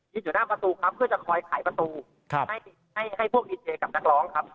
อยู่หน้าประตูครับเพื่อจะคอยไขประตูให้ให้พวกดีเจกับนักร้องครับ